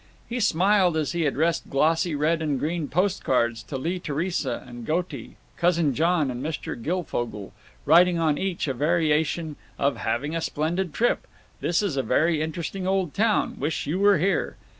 He smiled as he addressed glossy red and green postcards to Lee Theresa and Goaty, Cousin John and Mr. Guilfogle, writing on each a variation of "Having a splendid trip. This is a very interesting old town. Wish you were here."